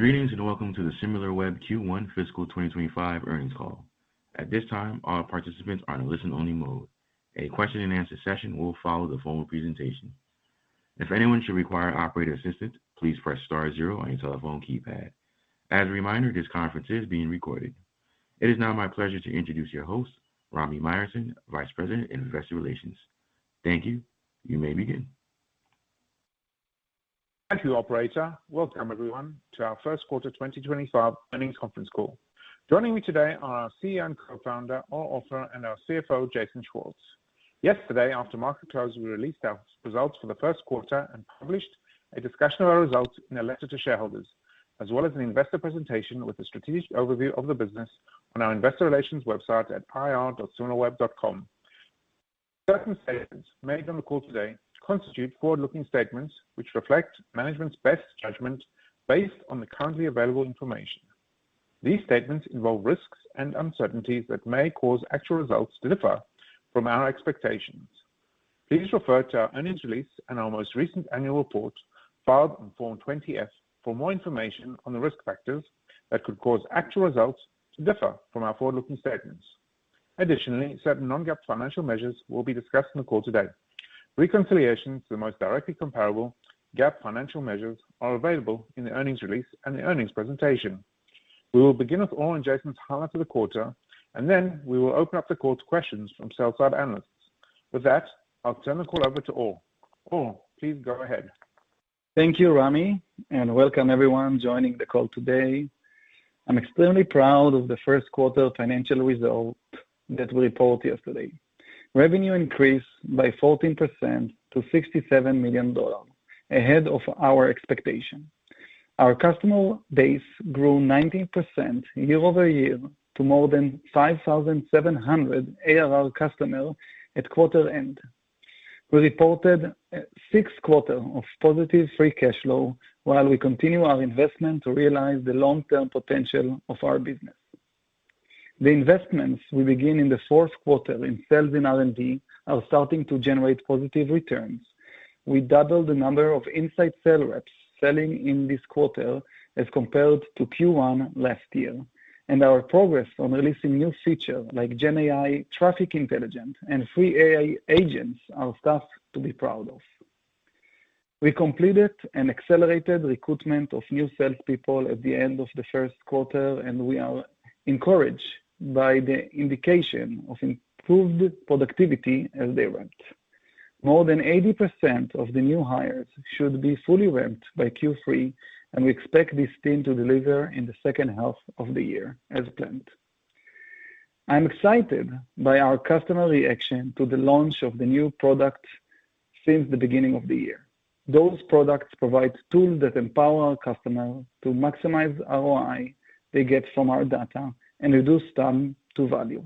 Greetings and welcome to the Similarweb Q1 Fiscal 2025 Earnings Call. At this time, all participants are in a listen-only mode. A question-and-answer session will follow the formal presentation. If anyone should require operator assistance, please press star zero on your telephone keypad. As a reminder, this conference is being recorded. It is now my pleasure to introduce your host, Rami Myerson, Vice President in Investor Relations. Thank you. You may begin. Thank you, Operator. Welcome, everyone, to our First Quarter 2025 Earnings Conference Call. Joining me today are our CEO and Co-Founder, Or Offer, and our CFO, Jason Schwartz. Yesterday, after market close, we released our results for the first quarter and published a discussion of our results in a letter to shareholders, as well as an investor presentation with a strategic overview of the business on our Investor Relations website at ir.similarweb.com. Certain statements made on the call today constitute forward-looking statements which reflect management's best judgment based on the currently available information. These statements involve risks and uncertainties that may cause actual results to differ from our expectations. Please refer to our earnings release and our most recent annual report filed on Form 20-F for more information on the risk factors that could cause actual results to differ from our forward-looking statements. Additionally, certain non-GAAP financial measures will be discussed in the call today. Reconciliations to the most directly comparable GAAP financial measures are available in the earnings release and the earnings presentation. We will begin with Or and Jason's highlight of the quarter, and then we will open up the call to questions from sell-side analysts. With that, I'll turn the call over to Or. Or, please go ahead. Thank you, Rami, and welcome everyone joining the call today. I'm extremely proud of the first quarter financial result that we report yesterday. Revenue increased by 14% to $67 million ahead of our expectation. Our customer base grew 19% year-over-year to more than 5,700 ARR customers at quarter end. We reported six quarters of positive free cash flow while we continue our investment to realize the long-term potential of our business. The investments we begin in the fourth quarter in sales and R&D are starting to generate positive returns. We doubled the number of inside sales reps selling in this quarter as compared to Q1 last year, and our progress on releasing new features like GenAI, Traffic Intelligence, and three AI Agents are stuff to be proud of. We completed an accelerated recruitment of new salespeople at the end of the first quarter, and we are encouraged by the indication of improved productivity as they went. More than 80% of the new hires should be fully ramped by Q3, and we expect this team to deliver in the second half of the year as planned. I'm excited by our customer reaction to the launch of the new products since the beginning of the year. Those products provide tools that empower our customers to maximize ROI they get from our data and reduce time to value.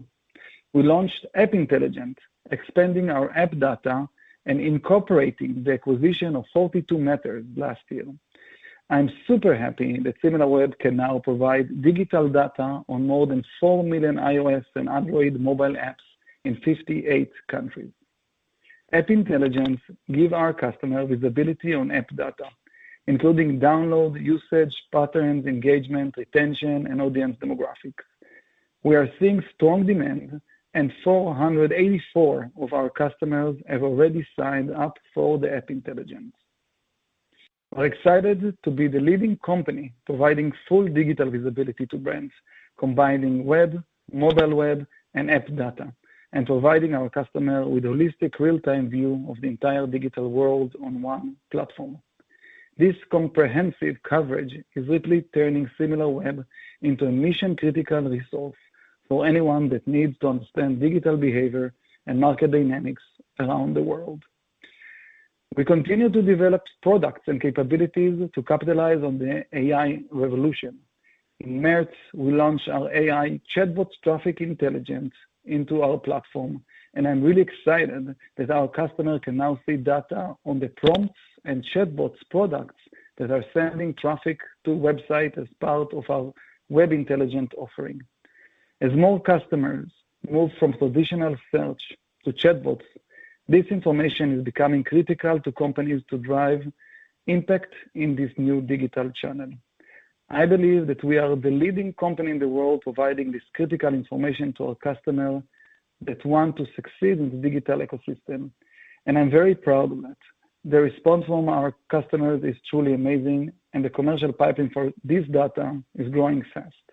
We launched App Intelligence, expanding our app data and incorporating the acquisition of 42matters last year. I'm super happy that Similarweb can now provide digital data on more than 4 million iOS and Android mobile apps in 58 countries. App Intelligence gives our customers visibility on app data, including download usage patterns, engagement, retention, and audience demographics. We are seeing strong demand, and 484 of our customers have already signed up for the App Intelligence. We're excited to be the leading company providing full digital visibility to brands, combining web, mobile web, and app data, and providing our customers with a holistic real-time view of the entire digital world on one platform. This comprehensive coverage is really turning Similarweb into a mission-critical resource for anyone that needs to understand digital behavior and market dynamics around the world. We continue to develop products and capabilities to capitalize on the AI revolution. In March, we launched our AI Chatbot Traffic Intelligence into our platform, and I'm really excited that our customers can now see data on the prompts and chatbots products that are sending traffic to the website as part of our Web Intelligence offering. As more customers move from traditional search to chatbots, this information is becoming critical to companies to drive impact in this new digital channel. I believe that we are the leading company in the world providing this critical information to our customers that want to succeed in the digital ecosystem, and I'm very proud of that. The response from our customers is truly amazing, and the commercial pipeline for this data is growing fast.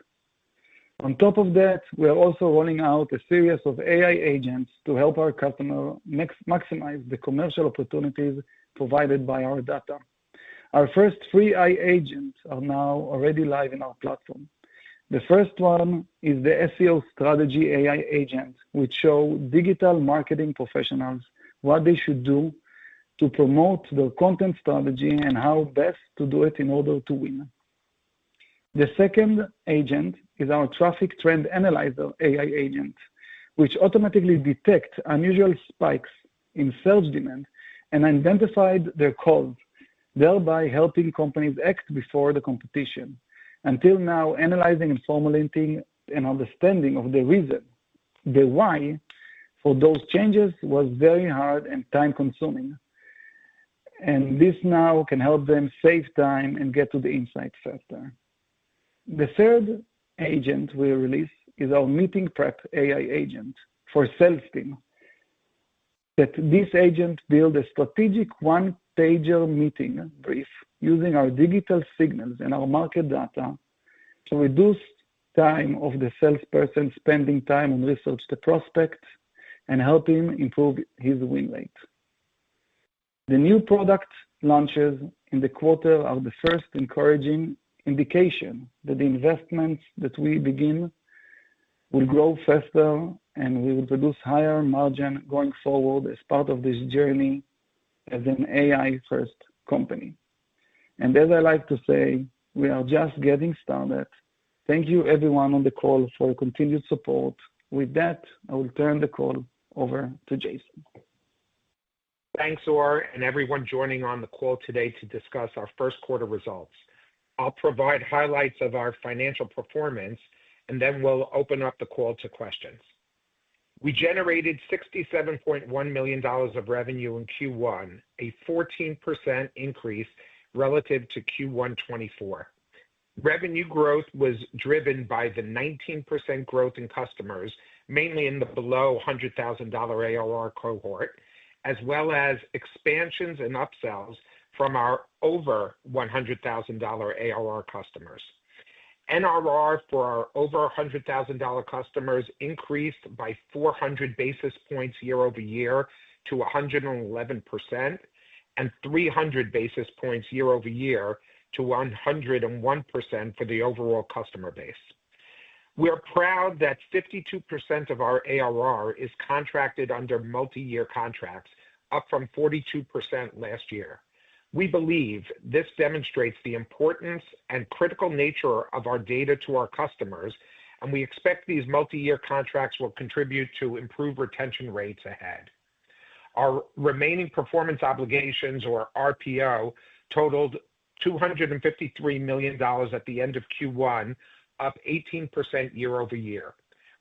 On top of that, we are also rolling out a series of AI agents to help our customers maximize the commercial opportunities provided by our data. Our first three AI agents are now already live in our platform. The first one is the SEO Strategy AI Agent, which shows digital marketing professionals what they should do to promote their content strategy and how best to do it in order to win. The second agent is our Traffic Trend Analyzer AI Agent, which automatically detects unusual spikes in search demand and identifies their cause, thereby helping companies act before the competition. Until now, analyzing and formulating an understanding of the reason, the why for those changes was very hard and time-consuming, and this now can help them save time and get to the insights faster. The third agent we release is our Meeting Prep AI Agent for sales team. This agent builds a strategic one-pager meeting brief using our digital signals and our market data to reduce the time of the salesperson spending time on researching the prospect and helping improve his win rate. The new product launches in the quarter are the first encouraging indication that the investments that we begin will grow faster, and we will produce higher margins going forward as part of this journey as an AI-first company. As I like to say, we are just getting started. Thank you, everyone on the call, for your continued support. With that, I will turn the call over to Jason. Thanks, Or, and everyone joining on the call today to discuss our first quarter results. I'll provide highlights of our financial performance, and then we'll open up the call to questions. We generated $67.1 million of revenue in Q1, a 14% increase relative to Q1 2024. Revenue growth was driven by the 19% growth in customers, mainly in the below $100,000 ARR cohort, as well as expansions and upsells from our over $100,000 ARR customers. NRR for our over $100,000 customers increased by 400 basis points year-over-year to 111%, and 300 basis points year-over-year to 101% for the overall customer base. We are proud that 52% of our ARR is contracted under multi-year contracts, up from 42% last year. We believe this demonstrates the importance and critical nature of our data to our customers, and we expect these multi-year contracts will contribute to improved retention rates ahead. Our remaining performance obligations, or RPO, totaled $253 million at the end of Q1, up 18% year-over-year.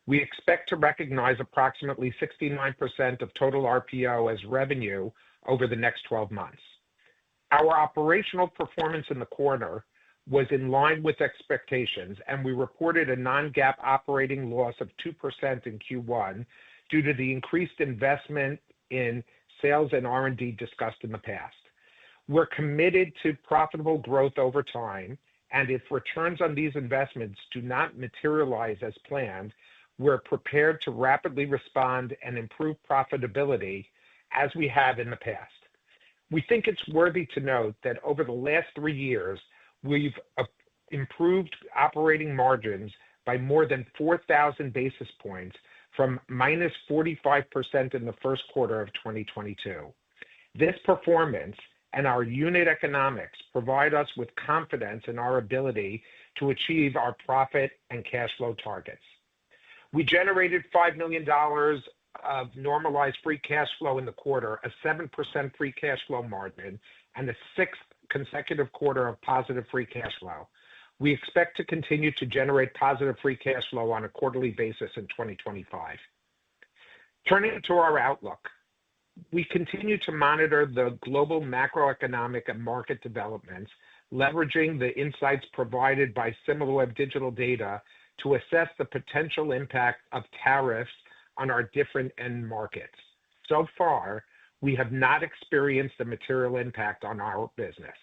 We expect to recognize approximately 69% of total RPO as revenue over the next 12 months. Our operational performance in the quarter was in line with expectations, and we reported a non-GAAP operating loss of 2% in Q1 due to the increased investment in sales and R&D discussed in the past. We're committed to profitable growth over time, and if returns on these investments do not materialize as planned, we're prepared to rapidly respond and improve profitability as we have in the past. We think it's worthy to note that over the last three years, we've improved operating margins by more than 4,000 basis points from minus 45% in the first quarter of 2022. This performance and our unit economics provide us with confidence in our ability to achieve our profit and cash flow targets. We generated $5 million of normalized free cash flow in the quarter, a 7% free cash flow margin, and the sixth consecutive quarter of positive free cash flow. We expect to continue to generate positive free cash flow on a quarterly basis in 2025. Turning to our outlook, we continue to monitor the global macroeconomic and market developments, leveraging the insights provided by Similarweb digital data to assess the potential impact of tariffs on our different end markets. So far, we have not experienced a material impact on our business.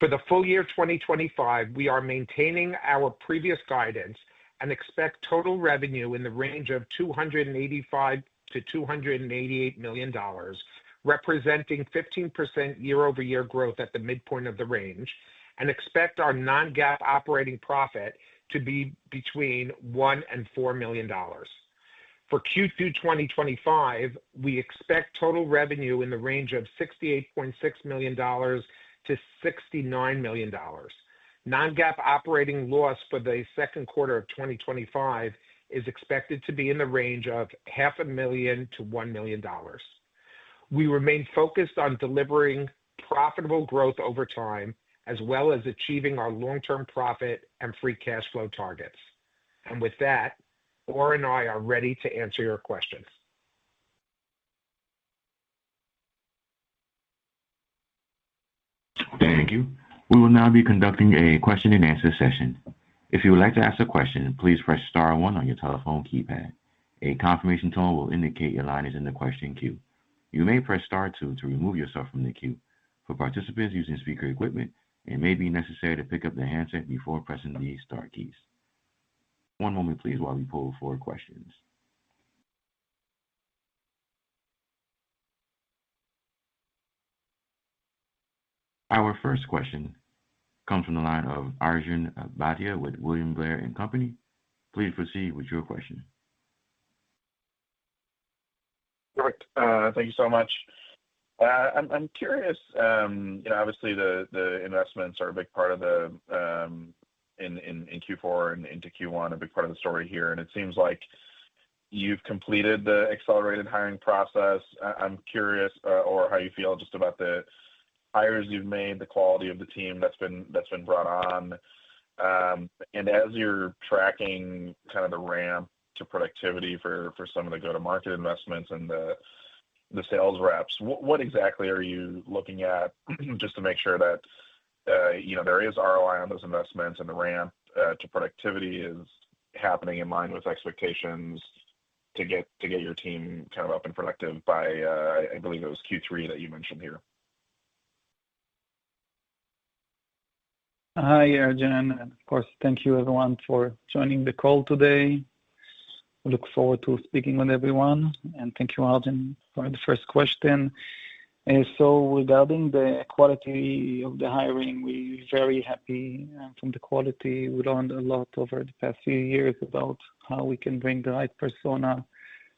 For the full year 2025, we are maintaining our previous guidance and expect total revenue in the range of $285 million-$288 million, representing 15% year-over-year growth at the midpoint of the range, and expect our non-GAAP operating profit to be between $1 million and $4 million. For Q2 2025, we expect total revenue in the range of $68.6 million-$69 million. Non-GAAP operating loss for the second quarter of 2025 is expected to be in the range of $500,000-$1 million. We remain focused on delivering profitable growth over time, as well as achieving our long-term profit and free cash flow targets. Or and I are ready to answer your questions. Thank you. We will now be conducting a question-and-answer session. If you would like to ask a question, please press star 1 on your telephone keypad. A confirmation tone will indicate your line is in the question queue. You may press star 2 to remove yourself from the queue. For participants using speaker equipment, it may be necessary to pick up the handset before pressing the star keys. One moment, please, while we pull forward questions. Our first question comes from the line of Arjun Bhatia with William Blair and Company. Please proceed with your question. Perfect. Thank you so much. I'm curious, obviously, the investments are a big part of the in Q4 and into Q1, a big part of the story here. It seems like you've completed the accelerated hiring process. I'm curious, Or, how you feel just about the hires you've made, the quality of the team that's been brought on. As you're tracking kind of the ramp to productivity for some of the go-to-market investments and the sales reps, what exactly are you looking at just to make sure that there is ROI on those investments and the ramp to productivity is happening in line with expectations to get your team kind of up and productive by, I believe it was Q3 that you mentioned here? Hi, Arjun. And of course, thank you, everyone, for joining the call today. I look forward to speaking with everyone. And thank you, Arjun, for the first question. Regarding the quality of the hiring, we're very happy from the quality. We learned a lot over the past few years about how we can bring the right persona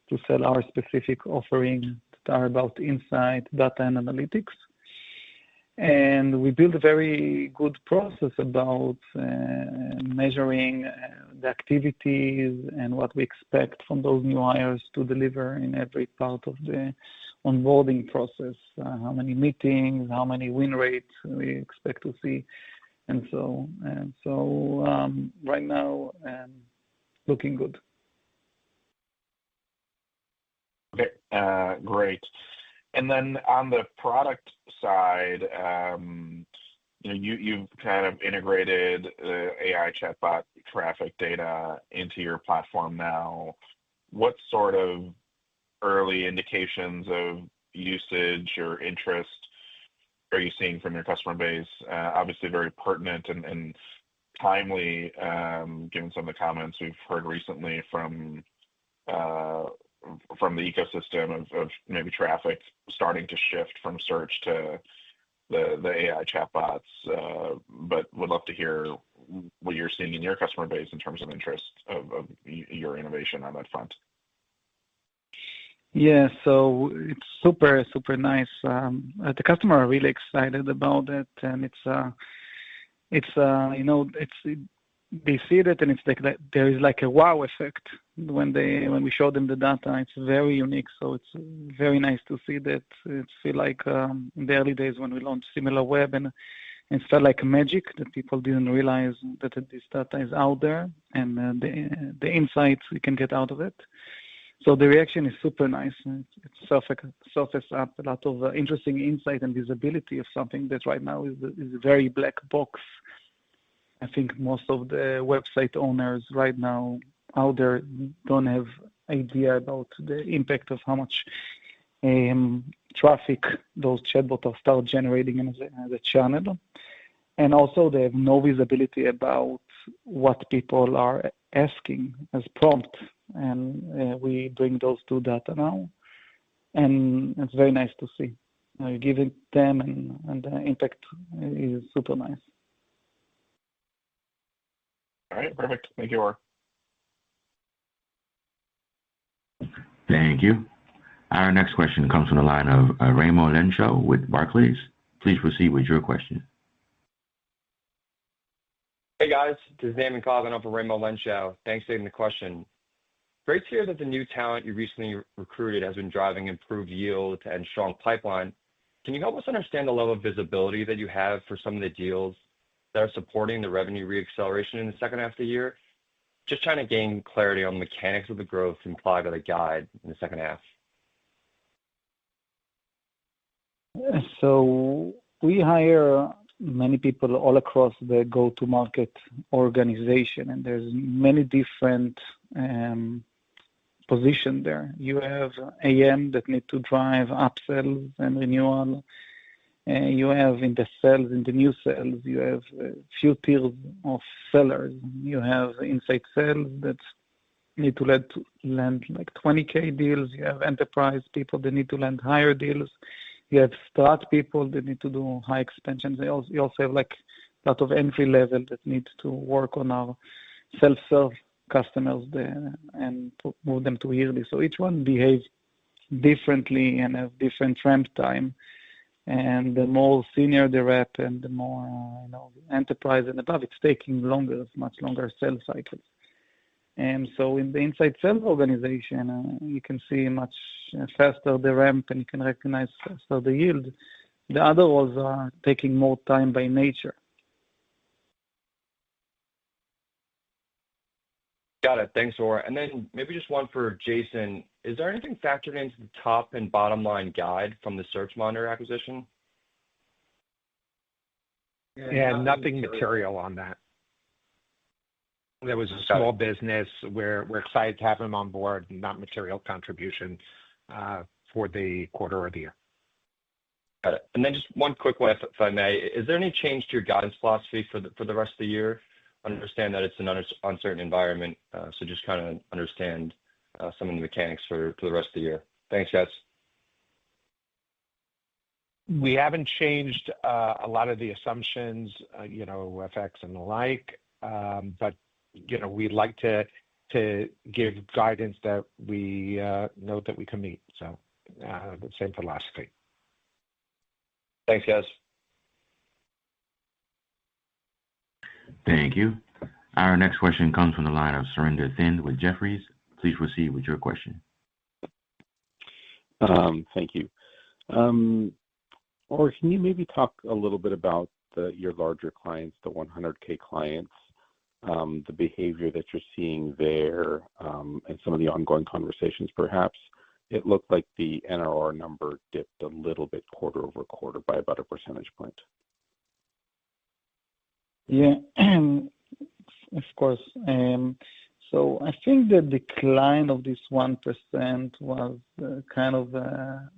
to sell our specific offering that are about insight, data, and analytics. We built a very good process about measuring the activities and what we expect from those new hires to deliver in every part of the onboarding process, how many meetings, how many win rates we expect to see. Right now, looking good. Great. Then on the product side, you've kind of integrated the AI chatbot traffic data into your platform now. What sort of early indications of usage or interest are you seeing from your customer base? Obviously, very pertinent and timely, given some of the comments we've heard recently from the ecosystem of maybe traffic starting to shift from search to the AI chatbots. Would love to hear what you're seeing in your customer base in terms of interest of your innovation on that front. Yeah. So it's super, super nice. The customers are really excited about it. They see that, and it's like there is like a wow effect when we show them the data. It's very unique. So it's very nice to see that. It feels like in the early days when we launched Similarweb, and it felt like magic that people didn't realize that this data is out there and the insights we can get out of it. The reaction is super nice. It surfaced up a lot of interesting insight and visibility of something that right now is a very black box. I think most of the website owners right now out there don't have an idea about the impact of how much traffic those chatbots are generating in the channel. Also, they have no visibility about what people are asking as prompts. We bring those two data now. It is very nice to see. Giving them and the impact is super nice. All right. Perfect. Thank you, Or. Thank you. Our next question comes from the line of Raimo Lenschow with Barclays. Please proceed with your question. Hey, guys. This is Eamon Coughlin for Raimo Lenschow. Thanks for taking the question. Great to hear that the new talent you recently recruited has been driving improved yield and strong pipeline. Can you help us understand the level of visibility that you have for some of the deals that are supporting the revenue re-acceleration in the second half of the year? Just trying to gain clarity on the mechanics of the growth implied by the guide in the second half. We hire many people all across the go-to-market organization, and there are many different positions there. You have AM that need to drive upsells and renewal. You have in the sales, in the new sales. You have a few tiers of sellers. You have inside sales that need to land like $20,000 deals. You have enterprise people that need to land higher deals. You have start people that need to do high expansions. You also have a lot of entry-level that need to work on our self-serve customers and move them to yearly. Each one behaves differently and has different ramp time. The more senior the rep and the more enterprise and above, it's taking longer, much longer sales cycles. In the inside sales organization, you can see much faster the ramp, and you can recognize faster the yield. The other ones are taking more time by nature. Got it. Thanks, Or. Maybe just one for Jason. Is there anything factored into the top and bottom line guide from The Search Monitor acquisition? Yeah, nothing material on that. It was a small business. We're excited to have them on board, not material contribution for the quarter or the year. Got it. And then just one quick one, if I may. Is there any change to your guidance philosophy for the rest of the year? I understand that it's an uncertain environment, so just kind of understand some of the mechanics for the rest of the year. Thanks, guys. We haven't changed a lot of the assumptions, FX and the like, but we'd like to give guidance that we know that we can meet. Same philosophy. Thanks, guys. Thank you. Our next question comes from the line of Surinder Thind with Jefferies. Please proceed with your question. Thank you. Or, can you maybe talk a little bit about your larger clients, the $100,000 clients, the behavior that you're seeing there, and some of the ongoing conversations, perhaps? It looked like the NRR number dipped a little bit quarter-over-quarter by about a percentage point. Yeah. Of course. I think the decline of this 1% was kind of a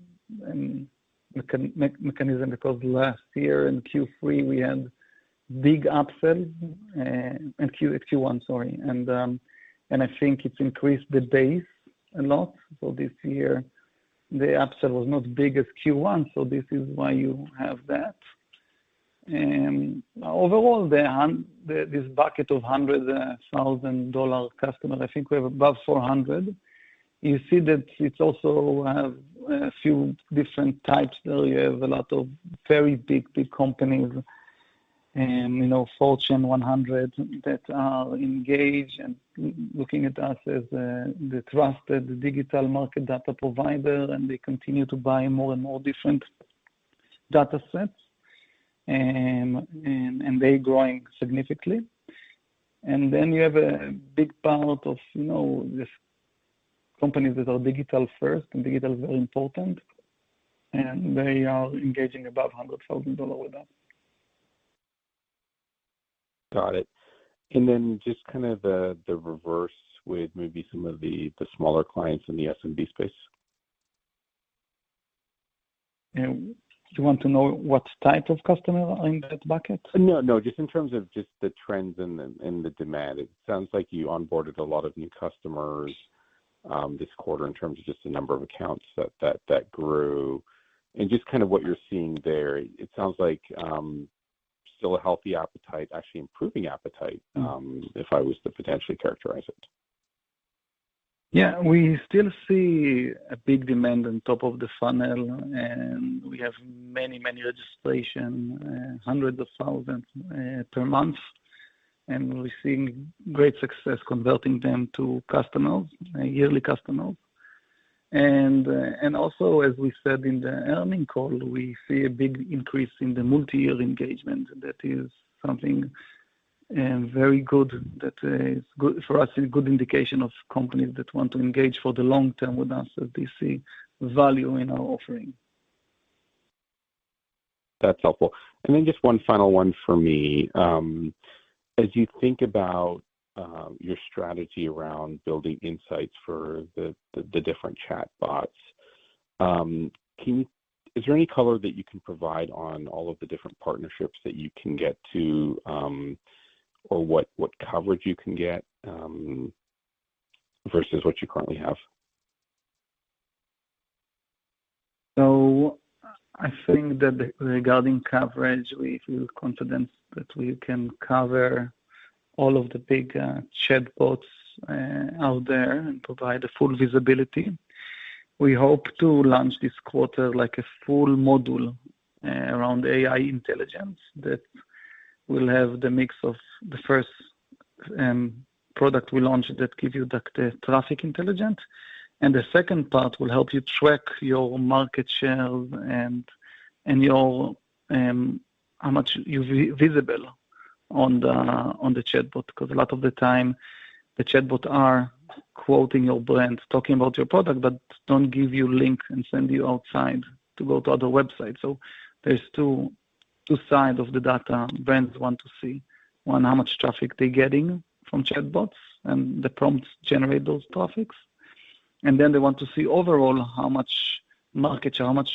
mechanism because last year in Q3, we had a big upsell at Q1, sorry. I think it increased the base a lot. This year, the upsell was not as big as Q1, so this is why you have that. Overall, this bucket of $100,000 customers, I think we have above 400. You see that it's also a few different types there. You have a lot of very big, big companies, Fortune 100, that are engaged and looking at us as the trusted digital market data provider, and they continue to buy more and more different data sets, and they're growing significantly. Then you have a big part of companies that are digital first, and digital is very important, and they are engaging above $100,000 with us. Got it. Just kind of the reverse with maybe some of the smaller clients in the SMB space. You want to know what type of customer in that bucket? No, no. Just in terms of just the trends and the demand. It sounds like you onboarded a lot of new customers this quarter in terms of just the number of accounts that grew. And just kind of what you're seeing there, it sounds like still a healthy appetite, actually improving appetite, if I was to potentially characterize it. Yeah. We still see a big demand on top of the funnel, and we have many, many registrations, hundreds of thousands per month. We are seeing great success converting them to customers, yearly customers. Also, as we said in the earnings call, we see a big increase in the multi-year engagement. That is something very good that is for us a good indication of companies that want to engage for the long term with us as they see value in our offering. That's helpful. And then just one final one for me. As you think about your strategy around building insights for the different chatbots, is there any color that you can provide on all of the different partnerships that you can get to or what coverage you can get versus what you currently have? I think that regarding coverage, we feel confident that we can cover all of the big chatbots out there and provide the full visibility. We hope to launch this quarter like a full module around AI intelligence that will have the mix of the first product we launch that gives you the traffic intelligence. The second part will help you track your market share and how much you're visible on the chatbot because a lot of the time the chatbots are quoting your brands, talking about your product, but don't give you links and send you outside to go to other websites. There are two sides of the data brands want to see. One, how much traffic they're getting from chatbots and the prompts generate those topics. They want to see overall how much market share, how much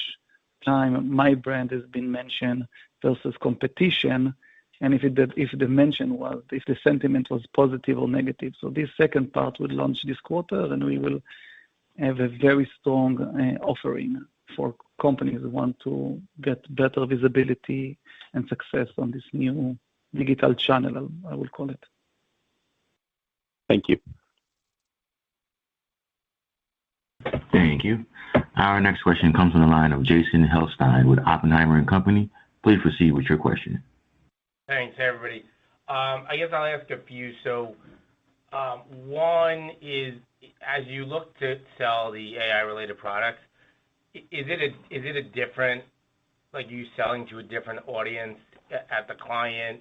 time my brand has been mentioned versus competition, and if the mention was, if the sentiment was positive or negative. This second part we launch this quarter, and we will have a very strong offering for companies who want to get better visibility and success on this new digital channel, I will call it. Thank you. Thank you. Our next question comes from the line of Jason Helfstein with Oppenheimer & Company. Please proceed with your question. Thanks, everybody. I guess I'll ask a few. One is, as you look to sell the AI-related products, is it a different you selling to a different audience at the client?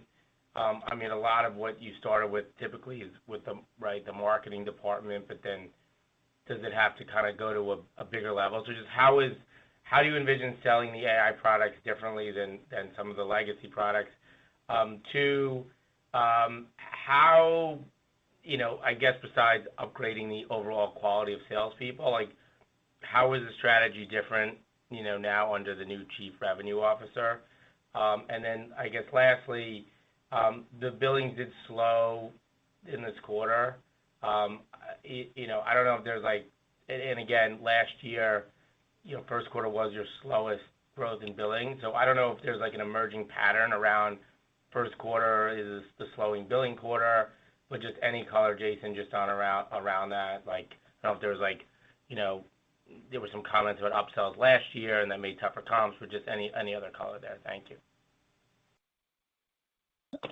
I mean, a lot of what you started with typically is with the marketing department, but then does it have to kind of go to a bigger level? Just how do you envision selling the AI products differently than some of the legacy products? Two, I guess besides upgrading the overall quality of salespeople, how is the strategy different now under the new Chief Revenue Officer? Lastly, the billing did slow in this quarter. I don't know if there's like—and again, last year, first quarter was your slowest growth in billing. I don't know if there's an emerging pattern around first quarter is the slowing billing quarter, but just any color, Jason, just on around that. I don't know if there was like there were some comments about upsells last year and that made tougher comps, but just any other color there. Thank you.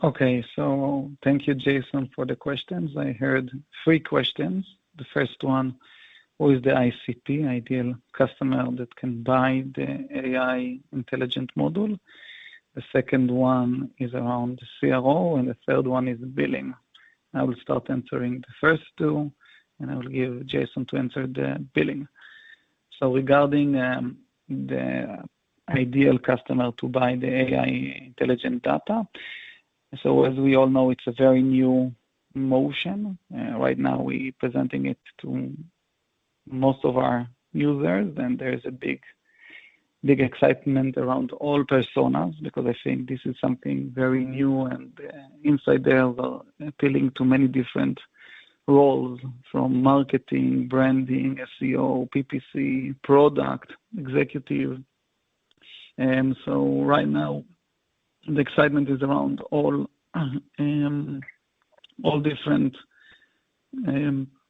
Okay. Thank you, Jason, for the questions. I heard three questions. The first one, who is the ICP, ideal customer that can buy the AI intelligent module? The second one is around CRO, and the third one is billing. I will start answering the first two, and I will give Jason to answer the billing. Regarding the ideal customer to buy the AI intelligent data, as we all know, it's a very new motion. Right now, we are presenting it to most of our users, and there is a big excitement around all personas because I think this is something very new and inside there appealing to many different roles from marketing, branding, SEO, PPC, product, executive. Right now, the excitement is around all different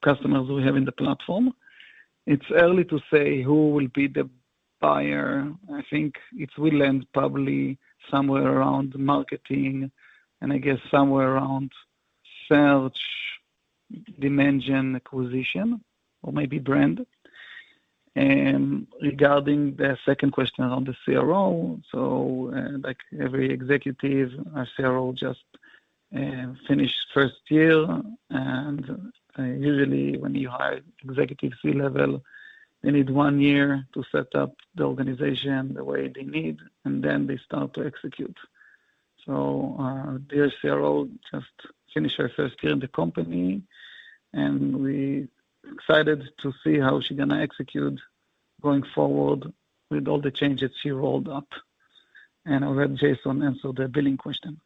customers we have in the platform. It's early to say who will be the buyer. I think it will land probably somewhere around marketing and I guess somewhere around search, dimension, acquisition, or maybe brand. Regarding the second question on the CRO, like every executive, our CRO just finished first year, and usually when you hire executive C-level, they need one year to set up the organization the way they need, and then they start to execute. Their CRO just finished her first year in the company, and we're excited to see how she's going to execute going forward with all the changes she rolled up. I'll let Jason answer the billing question.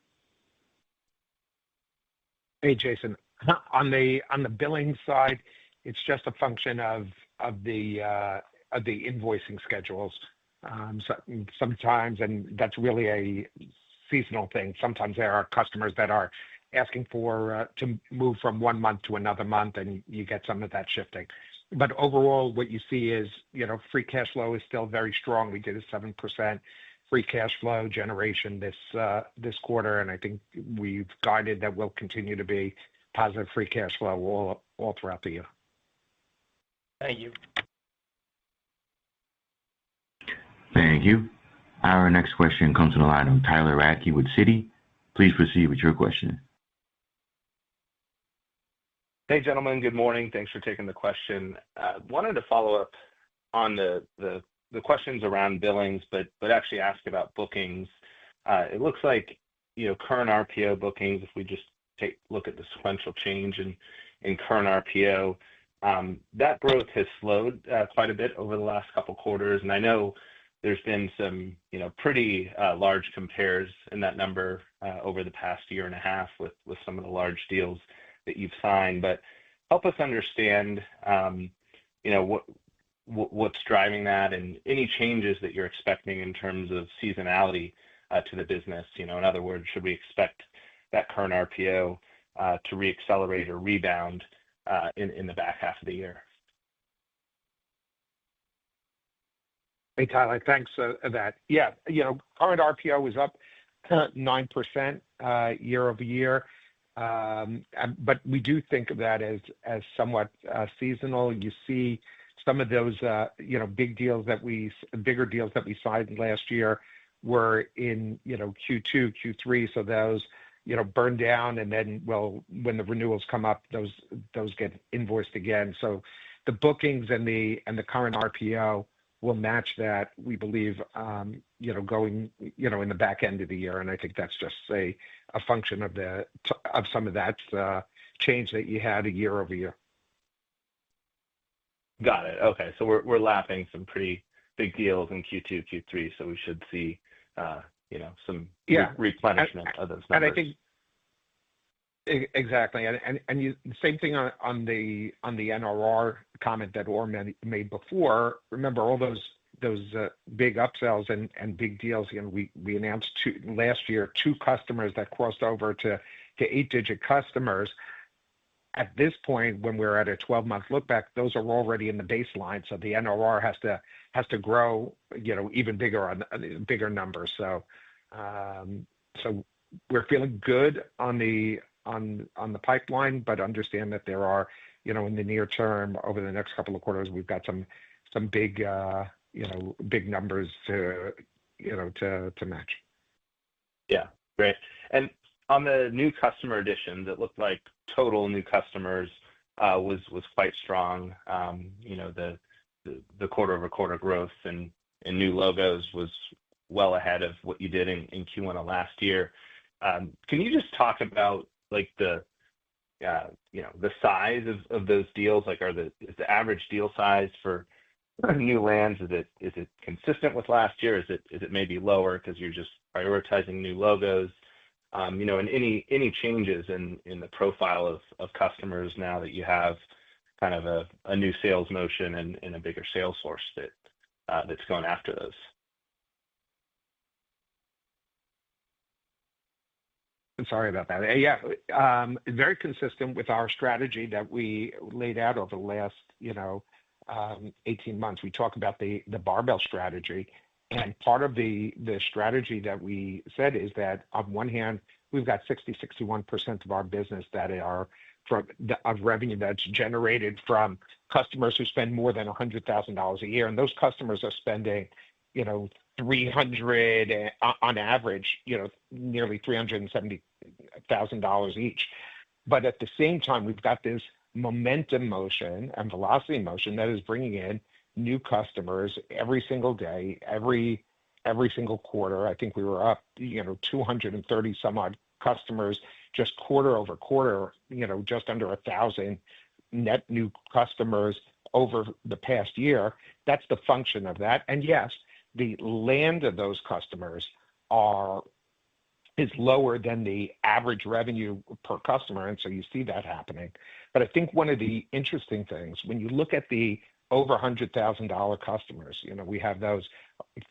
Hey, Jason. On the billing side, it's just a function of the invoicing schedules. Sometimes, and that's really a seasonal thing. Sometimes there are customers that are asking to move from one month to another month, and you get some of that shifting. Overall, what you see is free cash flow is still very strong. We did a 7% free cash flow generation this quarter, and I think we've guided that will continue to be positive free cash flow all throughout the year. Thank you. Thank you. Our next question comes from the line of Tyler Radke with Citi. Please proceed with your question. Hey, gentlemen. Good morning. Thanks for taking the question. Wanted to follow up on the questions around billings, but actually ask about bookings. It looks like current RPO bookings, if we just take a look at the sequential change in current RPO, that growth has slowed quite a bit over the last couple of quarters. I know there's been some pretty large compares in that number over the past year and a half with some of the large deals that you've signed. Help us understand what's driving that and any changes that you're expecting in terms of seasonality to the business. In other words, should we expect that current RPO to reaccelerate or rebound in the back half of the year? Hey, Tyler. Thanks for that. Yeah. Current RPO is up 9% year-over-year, but we do think of that as somewhat seasonal. You see some of those bigger deals that we signed last year were in Q2, Q3, so those burn down, and then when the renewals come up, those get invoiced again. The bookings and the current RPO will match that, we believe, going in the back end of the year. I think that's just a function of some of that change that you had year-over-year. Got it. Okay. So we're lapping some pretty big deals in Q2, Q3, so we should see some replenishment of those numbers. Yeah. I think exactly. Same thing on the NRR comment that Or made before. Remember all those big upsells and big deals we announced last year, two customers that crossed over to eight-digit customers. At this point, when we're at a 12-month lookback, those are already in the baseline, so the NRR has to grow even bigger numbers. We're feeling good on the pipeline, but understand that there are, in the near term, over the next couple of quarters, we've got some big numbers to match. Yeah. Great. On the new customer additions, it looked like total new customers was quite strong. The quarter-over-quarter growth in new logos was well ahead of what you did in Q1 of last year. Can you just talk about the size of those deals? Is the average deal size for new lands, is it consistent with last year? Is it maybe lower because you're just prioritizing new logos? Any changes in the profile of customers now that you have kind of a new sales motion and a bigger sales force that's going after those? I'm sorry about that. Yeah. Very consistent with our strategy that we laid out over the last 18 months. We talk about the barbell strategy. Part of the strategy that we said is that on one hand, we've got 60%-61% of our business that are of revenue that's generated from customers who spend more than $100,000 a year. Those customers are spending, on average, nearly $370,000 each. At the same time, we've got this momentum motion and velocity motion that is bringing in new customers every single day, every single quarter. I think we were up 230-some-odd customers just quarter-over-quarter, just under 1,000 net new customers over the past year. That's the function of that. Yes, the land of those customers is lower than the average revenue per customer, and you see that happening. I think one of the interesting things, when you look at the over $100,000 customers, we have those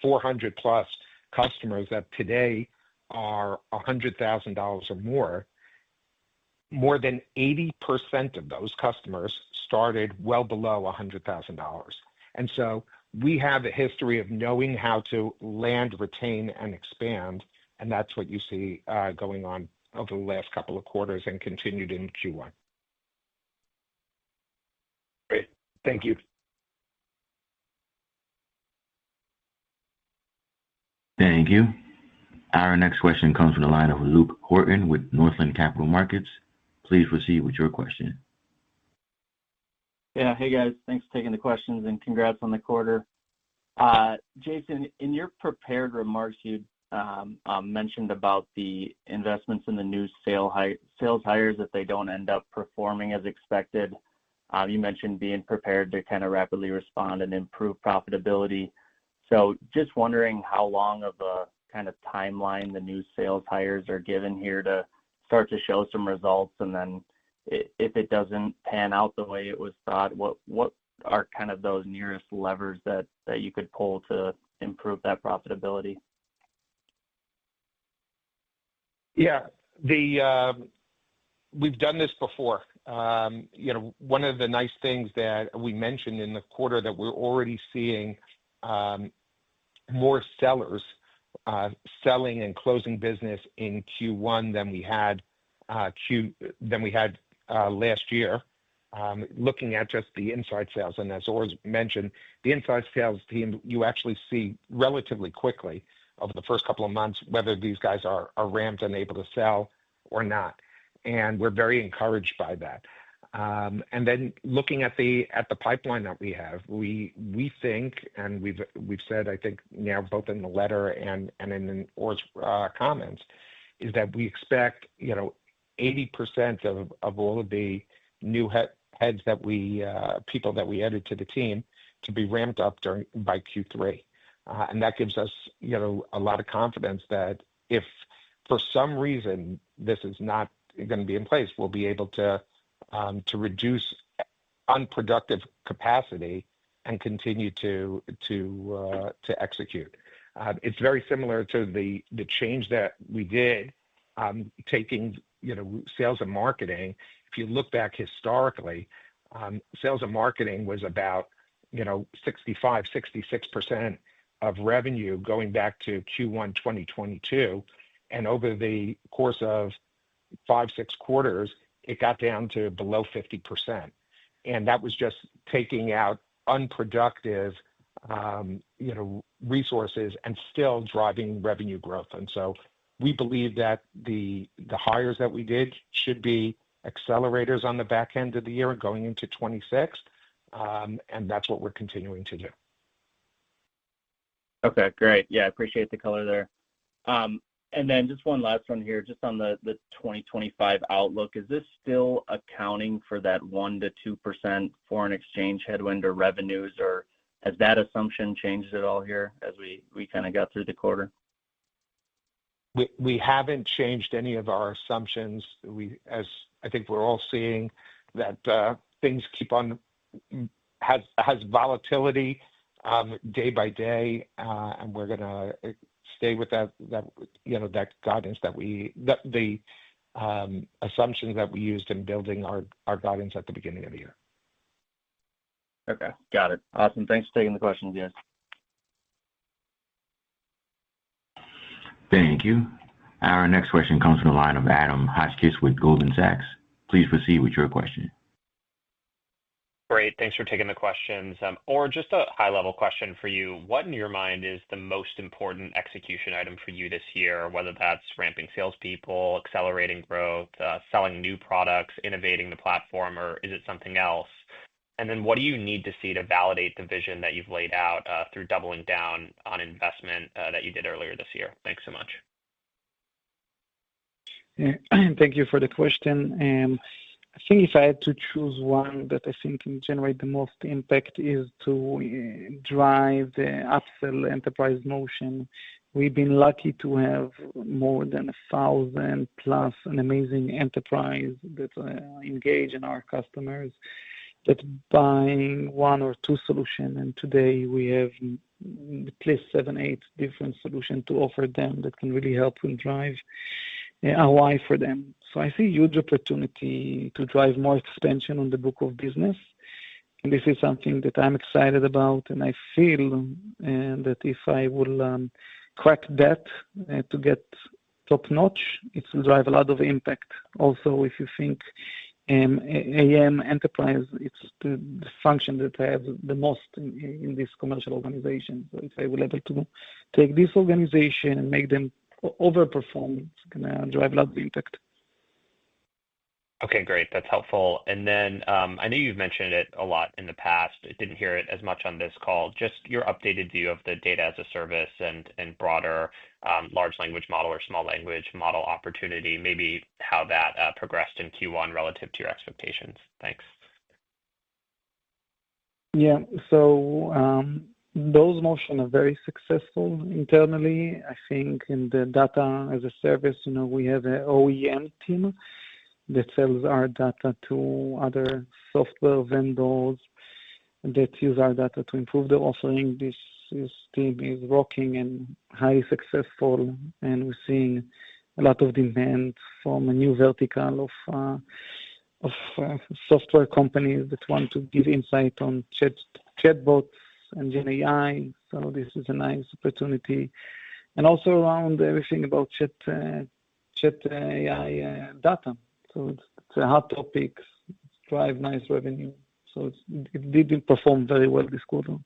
400-plus customers that today are $100,000 or more. More than 80% of those customers started well below $100,000. We have a history of knowing how to land, retain, and expand, and that's what you see going on over the last couple of quarters and continued in Q1. Great. Thank you. Thank you. Our next question comes from the line of Luke Horton with Northland Capital Markets. Please proceed with your question. Yeah. Hey, guys. Thanks for taking the questions and congrats on the quarter. Jason, in your prepared remarks, you mentioned about the investments in the new sales hires that they do not end up performing as expected. You mentioned being prepared to kind of rapidly respond and improve profitability. Just wondering how long of a kind of timeline the new sales hires are given here to start to show some results, and then if it does not pan out the way it was thought, what are kind of those nearest levers that you could pull to improve that profitability? Yeah. We've done this before. One of the nice things that we mentioned in the quarter that we're already seeing more sellers selling and closing business in Q1 than we had last year. Looking at just the inside sales, and as Or mentioned, the inside sales team, you actually see relatively quickly over the first couple of months whether these guys are ramped and able to sell or not. We're very encouraged by that. Looking at the pipeline that we have, we think, and we've said, I think, now both in the letter and in Or's comments, that we expect 80% of all of the new heads, the people that we added to the team, to be ramped up by Q3. That gives us a lot of confidence that if for some reason this is not going to be in place, we'll be able to reduce unproductive capacity and continue to execute. It is very similar to the change that we did taking sales and marketing. If you look back historically, sales and marketing was about 65%-66% of revenue going back to Q1 2022. Over the course of five or six quarters, it got down to below 50%. That was just taking out unproductive resources and still driving revenue growth. We believe that the hires that we did should be accelerators on the back end of the year going into 2026, and that is what we are continuing to do. Okay. Great. Yeah. I appreciate the color there. Then just one last one here, just on the 2025 outlook. Is this still accounting for that 1%-2% foreign exchange headwind for revenues, or has that assumption changed at all here as we kind of got through the quarter? We haven't changed any of our assumptions. I think we're all seeing that things keep on, has volatility day by day, and we're going to stay with that guidance that we, that the assumptions that we used in building our guidance at the beginning of the year. Okay. Got it. Awesome. Thanks for taking the questions, guys. Thank you. Our next question comes from the line of Adam Hotchkiss with Goldman Sachs. Please proceed with your question. Great. Thanks for taking the questions. Or, just a high-level question for you. What, in your mind, is the most important execution item for you this year, whether that's ramping salespeople, accelerating growth, selling new products, innovating the platform, or is it something else? What do you need to see to validate the vision that you've laid out through doubling down on investment that you did earlier this year? Thanks so much. Thank you for the question. I think if I had to choose one that I think can generate the most impact is to drive the upsell enterprise motion. We've been lucky to have more than 1,000-plus amazing enterprises that engage in our customers that buy one or two solutions, and today we have at least seven, eight different solutions to offer them that can really help and drive ROI for them. I see a huge opportunity to drive more expansion on the book of business. This is something that I'm excited about, and I feel that if I will crack that to get top-notch, it will drive a lot of impact. Also, if you think AM enterprise, it's the function that has the most in this commercial organization. If I will be able to take this organization and make them overperform, it's going to drive a lot of impact. Okay. Great. That's helpful. I know you've mentioned it a lot in the past. I didn't hear it as much on this call. Just your updated view of the data as a service and broader large language model or small language model opportunity, maybe how that progressed in Q1 relative to your expectations. Thanks. Yeah. Those motions are very successful internally. I think in the data as a service, we have an OEM team that sells our data to other software vendors that use our data to improve the offering. This team is rocking and highly successful, and we're seeing a lot of demand from a new vertical of software companies that want to give insight on chatbots and GenAI. This is a nice opportunity. Also, around everything about chat AI data, it is a hot topic, drives nice revenue. It did not perform very well this quarter.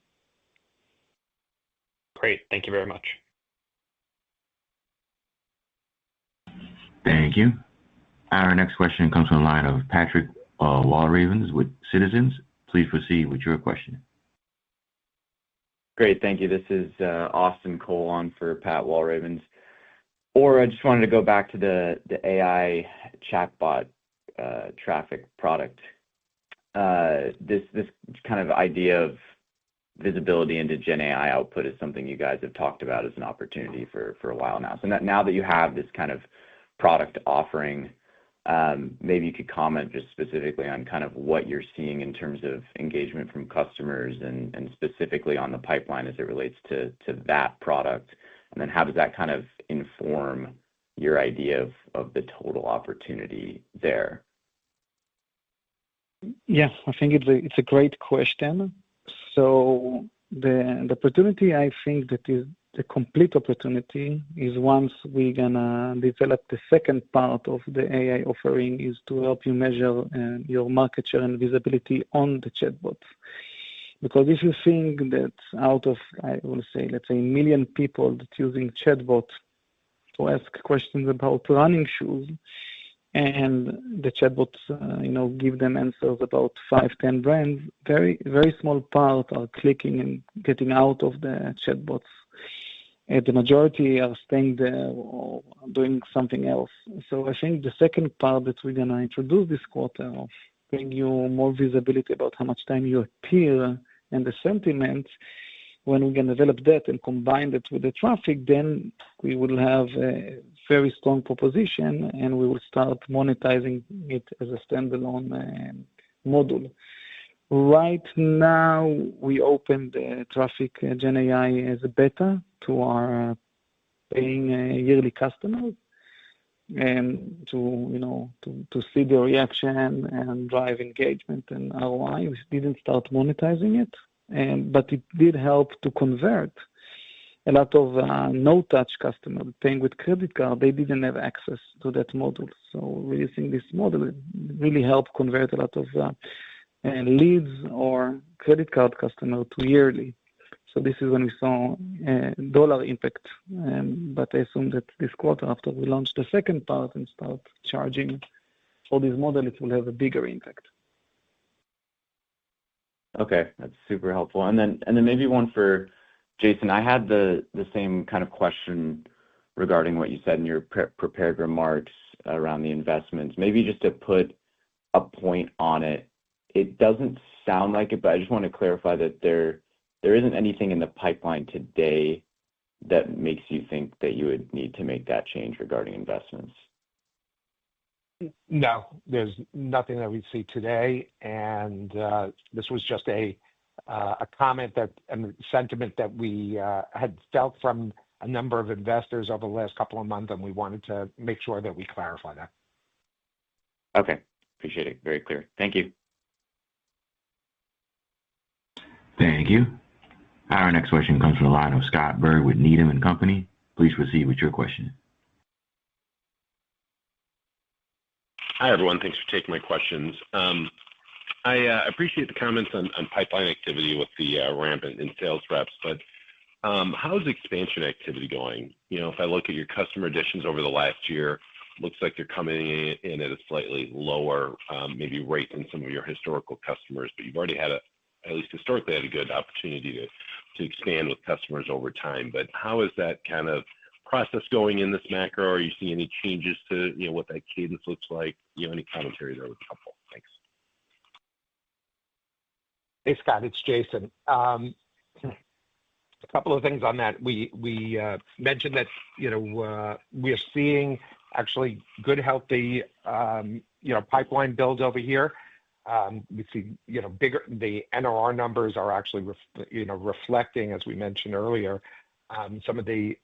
Great. Thank you very much. Thank you. Our next question comes from the line of Patrick Walravens with Citizens. Please proceed with your question. Great. Thank you. This is Austin Cole on for Pat Walravens. Or, I just wanted to go back to the AI chatbot traffic product. This kind of idea of visibility into GenAI output is something you guys have talked about as an opportunity for a while now. Now that you have this kind of product offering, maybe you could comment just specifically on what you're seeing in terms of engagement from customers and specifically on the pipeline as it relates to that product. How does that kind of inform your idea of the total opportunity there? Yeah. I think it's a great question. The opportunity, I think, that is a complete opportunity is once we're going to develop the second part of the AI offering is to help you measure your market share and visibility on the chatbots. Because if you think that out of, I will say, let's say, a million people that are using chatbots to ask questions about running shoes, and the chatbots give them answers about five, 10 brands, a very small part are clicking and getting out of the chatbots. The majority are staying there or doing something else. I think the second part that we're going to introduce this quarter will bring you more visibility about how much time you appear and the sentiment. When we can develop that and combine that with the traffic, then we will have a very strong proposition, and we will start monetizing it as a standalone model. Right now, we opened the traffic GenAI as a beta to our paying yearly customers to see their reaction and drive engagement and ROI. We did not start monetizing it, but it did help to convert a lot of no-touch customers paying with credit cards. They did not have access to that model. We are using this model. It really helped convert a lot of leads or credit card customers to yearly. This is when we saw a dollar impact. I assume that this quarter, after we launch the second part and start charging for this model, it will have a bigger impact. Okay. That's super helpful. Maybe one for Jason. I had the same kind of question regarding what you said in your prepared remarks around the investments. Maybe just to put a point on it, it does not sound like it, but I just want to clarify that there is not anything in the pipeline today that makes you think that you would need to make that change regarding investments. No. There is nothing that we would see today. This was just a comment and sentiment that we had felt from a number of investors over the last couple of months, and we wanted to make sure that we clarify that. Okay. Appreciate it. Very clear. Thank you. Thank you. Our next question comes from the line of Scott Berg with Needham & Company. Please proceed with your question. Hi everyone. Thanks for taking my questions. I appreciate the comments on pipeline activity with the ramp in sales reps, but how's expansion activity going? If I look at your customer additions over the last year, it looks like they're coming in at a slightly lower maybe rate than some of your historical customers, but you've already had, at least historically, had a good opportunity to expand with customers over time. How is that kind of process going in this macro? Are you seeing any changes to what that cadence looks like? Any commentary there would be helpful. Thanks. Hey, Scott, it's Jason. A couple of things on that. We mentioned that we are seeing actually good, healthy pipeline build over here. We see the NRR numbers are actually reflecting, as we mentioned earlier, some of the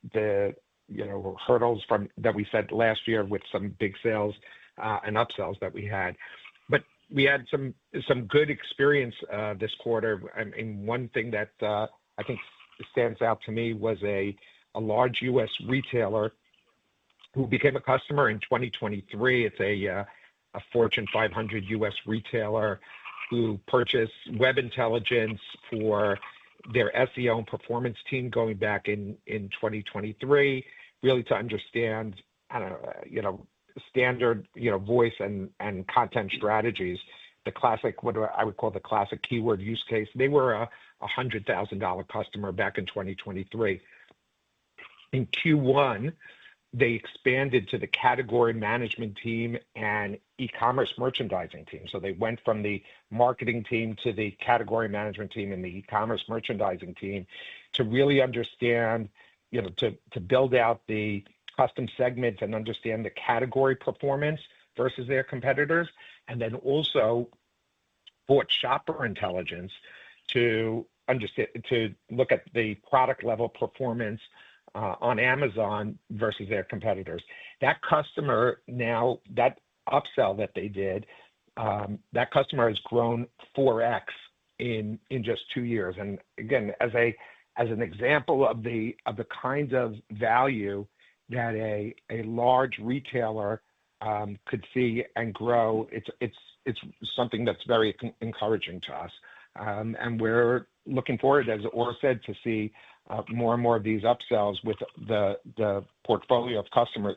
hurdles that we set last year with some big sales and upsells that we had. I mean, we had some good experience this quarter. One thing that I think stands out to me was a large U.S. retailer who became a customer in 2023. It's a Fortune 500 U.S. retailer who purchased Web Intelligence for their SEO and performance team going back in 2023, really to understand standard voice and content strategies, the classic, what I would call the classic keyword use case. They were a $100,000 customer back in 2023. In Q1, they expanded to the category management team and e-commerce merchandising team. They went from the marketing team to the category management team and the e-commerce merchandising team to really understand, to build out the custom segments and understand the category performance versus their competitors, and then also bought Shopper Intelligence to look at the product-level performance on Amazon versus their competitors. That customer now, that upsell that they did, that customer has grown 4x in just two years. Again, as an example of the kinds of value that a large retailer could see and grow, it is something that is very encouraging to us. We are looking forward, as Or said, to see more and more of these upsells with the portfolio of customers,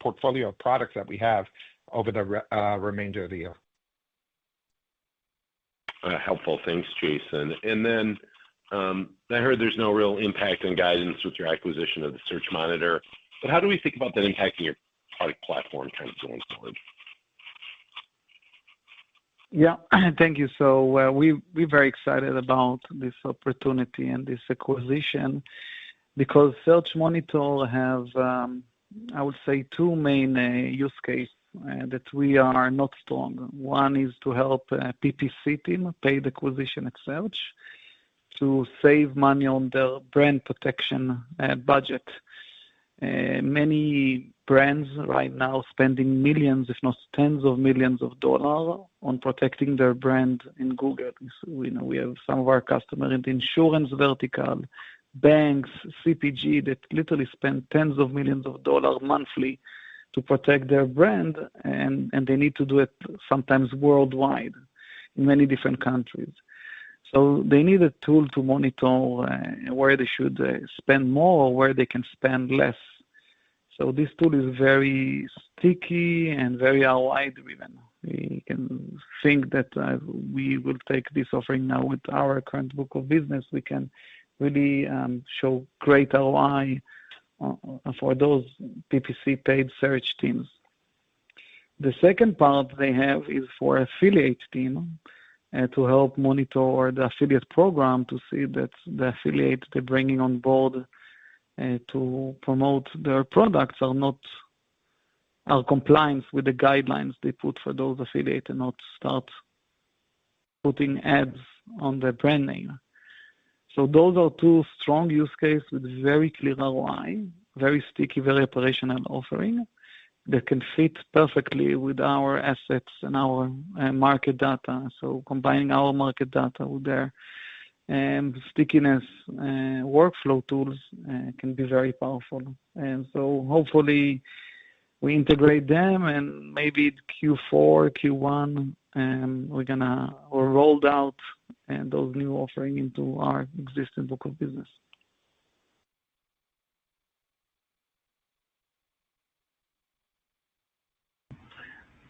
portfolio of products that we have over the remainder of the year. Helpful. Thanks, Jason. I heard there's no real impact on guidance with your acquisition of The Search Monitor. How do we think about that impacting your product platform kind of going forward? Yeah. Thank you. We're very excited about this opportunity and this acquisition because Search Monitor has, I would say, two main use cases that we are not strong. One is to help PPC team pay the acquisition at Search to save money on their brand protection budget. Many brands right now are spending millions, if not tens of millions of dollars on protecting their brand in Google. We have some of our customers in the insurance vertical, banks, CPG that literally spend tens of millions of dollars monthly to protect their brand, and they need to do it sometimes worldwide in many different countries. They need a tool to monitor where they should spend more or where they can spend less. This tool is very sticky and very ROI-driven. We can think that we will take this offering now with our current book of business. We can really show great ROI for those PPC paid search teams. The second part they have is for affiliate team to help monitor the affiliate program to see that the affiliates they're bringing on board to promote their products are compliant with the guidelines they put for those affiliates and not start putting ads on their brand name. Those are two strong use cases with very clear ROI, very sticky, very operational offering that can fit perfectly with our assets and our market data. Combining our market data with their stickiness workflow tools can be very powerful. Hopefully, we integrate them, and maybe Q4, Q1, we're going to roll out those new offerings into our existing book of business.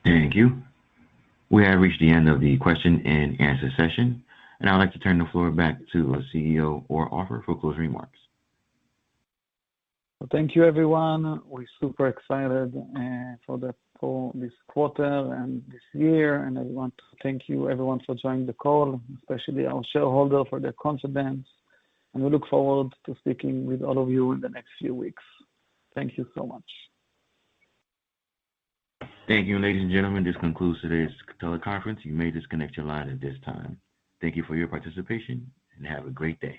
Thank you. We have reached the end of the question and answer session. I would like to turn the floor back to the CEO Or Offer for closing remarks. Thank you, everyone. We're super excited for this quarter and this year. I want to thank you, everyone, for joining the call, especially our shareholders for their confidence. We look forward to speaking with all of you in the next few weeks. Thank you so much. Thank you, ladies and gentlemen. This concludes today's teleconference. You may disconnect your line at this time. Thank you for your participation, and have a great day.